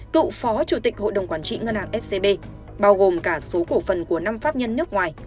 cựu phó chủ tịch hội đồng quản trị ngân hàng scb bao gồm cả số cổ phần của năm pháp nhân nước ngoài